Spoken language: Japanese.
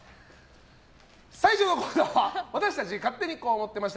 最初のコーナーは私たち勝手にこう思ってました！